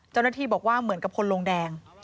เจ้าหน้าที่บอกว่าเหมือนกับคนลงแดง